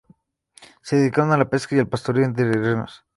Se dedican a la pesca y al pastoreo de renos.